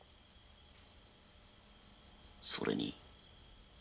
それに。